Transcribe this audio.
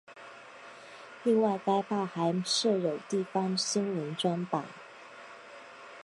另外该报还设有地方新闻专版。